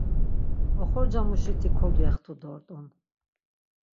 Oxorcamuşiti kogextu dort̆un.